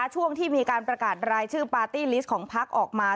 ช่วงที่มีการประกาศรายชื่อปาร์ตี้ลิสต์ของพักออกมา